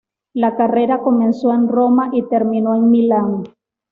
La carrera comenzó en Roma y terminó en Milán.